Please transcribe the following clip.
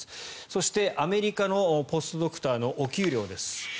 そして、アメリカのポストドクターのお給料です。